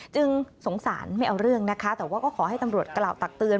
สงสารไม่เอาเรื่องนะคะแต่ว่าก็ขอให้ตำรวจกล่าวตักเตือน